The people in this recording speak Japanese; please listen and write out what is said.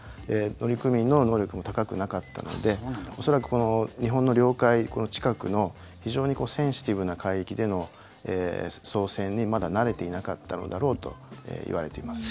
乗組員の能力も高くなかったので恐らく、日本の領海近くの非常にセンシティブな海域での操船にまだ慣れていなかったのだろうといわれています。